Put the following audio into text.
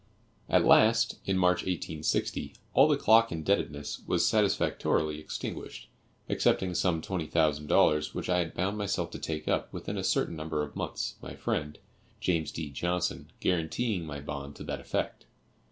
At last, in March 1860, all the clock indebtedness was satisfactorily extinguished, excepting some $20,000 which I had bound myself to take up within a certain number of months, my friend, James D. Johnson, guaranteeing my bond to that effect.